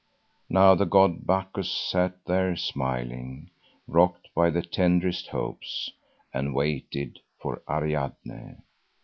Now the god Bacchus sat there smiling, rocked by the tenderest hopes, and waited for Ariadne.